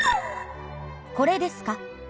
これですか？